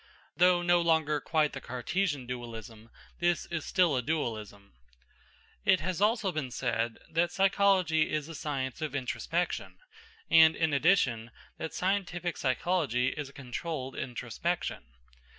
Though no longer quite the Cartesian dualism, this is still a dualism. It has also been said that psychology is the science of introspection, and, in addition, that scientific psychology is a controlled introspection.